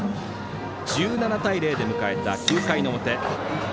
１７対０で迎えた９回の表。